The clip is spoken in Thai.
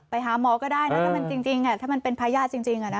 ไปหาหมอก็ได้นะถ้ามันเป็นพยาจริงอะนะครับ